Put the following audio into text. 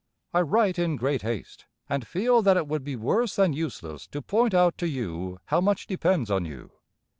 I write in great haste, and feel that it would be worse than useless to point out to you how much depends on you.